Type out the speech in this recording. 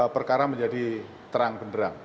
perkara menjadi terang benerang